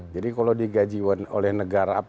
jadi kalau digaji oleh negara apa